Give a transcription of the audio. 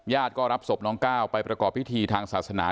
ก็รับศพน้องก้าวไปประกอบพิธีทางศาสนา